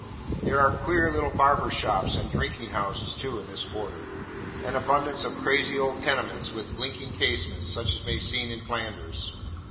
There are queer little barbers' shops and drinking houses too, in this quarter; and abundance of crazy old tenements with blinking casements, such as may be seen in Flanders.